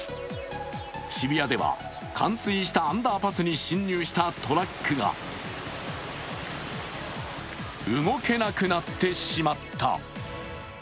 渋谷では冠水したアンダーパスに進入したトラックが動けなくなってしまった。